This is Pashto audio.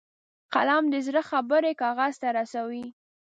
قلم د زړه خبرې کاغذ ته رسوي